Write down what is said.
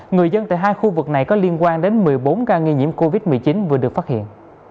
người dân tại hai khu vực này có liên quan đến một mươi bốn ca nghi nhiễm covid một mươi chín vừa được phát hiện